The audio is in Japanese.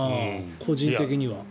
個人的には。